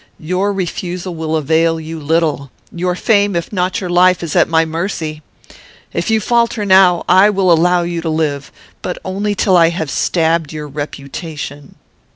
Your refusal will avail you little. Your fame, if not your life, is at my mercy. If you falter now, I will allow you to live, but only till I have stabbed your reputation.'